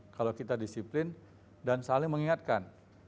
kalau kita disiplin dan saling mengingatkan